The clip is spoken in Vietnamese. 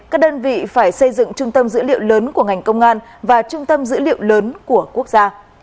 các đơn vị phải xây dựng trung tâm dữ liệu lớn của ngành công an và trung tâm dữ liệu lớn của quốc gia